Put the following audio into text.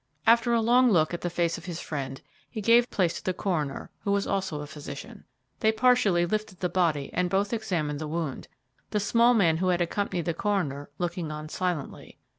After a long look at the face of his friend, he gave place to the coroner, who was also a physician. They partially lifted the body and both examined the wound, the small man who had accompanied the coroner looking on silently.